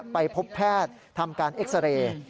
ไปพบแพทย์ทำการเอ็กซาเรย์